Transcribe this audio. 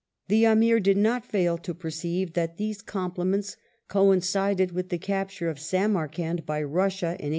The Amir did not fail to perceive that these compliments coincided with the capture of Samarkand by Russia (1868).